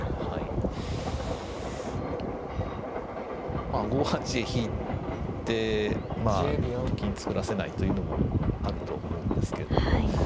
まあ５八へ引いてと金作らせないというのもあると思うんですけれども。